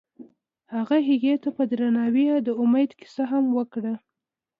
هغه هغې ته په درناوي د امید کیسه هم وکړه.